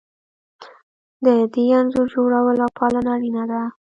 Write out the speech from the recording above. د دې انځور جوړول او پالنه اړینه ده.